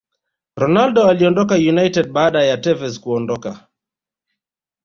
Ronaldo aliondoka United baada ya Tevez kuondoka